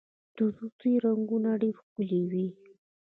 د طوطي رنګونه ډیر ښکلي وي